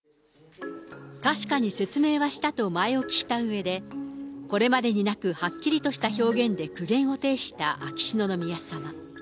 確かに説明はしたと前置きしたうえで、これまでになくはっきりとした表現で苦言を呈した秋篠宮さま。